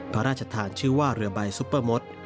พระราชทานชื่อว่าเรือใบซุปเปอร์มด